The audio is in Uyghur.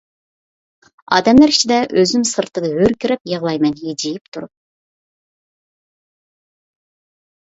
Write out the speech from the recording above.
ئادەملەر ئىچىدە ئۆزۈم سىرتىدا، ھۆركىرەپ يىغلايمەن ھىجىيىپ تۇرۇپ.